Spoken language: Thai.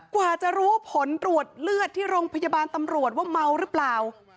กว่าจะรู้ผลตรวจเลือดที่โรงพยาบาลตำรวจว่าเมาหรือเปล่า